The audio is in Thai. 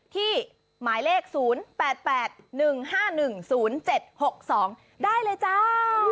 ที่หมายเลข๐๘๘๑๕๑๐๗๖๒ได้เลยจ้า